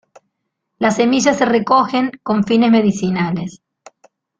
Las semillas se recogen con fines medicinales.